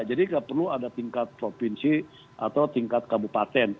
jadi tidak perlu ada tingkat provinsi atau tingkat kabupaten